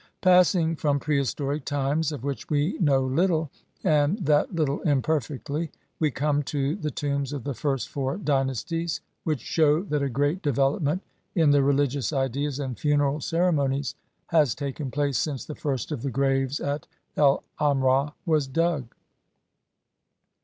Passing from prehistoric times of which we know little, and that little imperfectly, we come to the tombs of the first four dynasties, which shew that a great development in the religious ideas and funeral cere monies has taken place since the first of the graves at El 'Amrah was dug.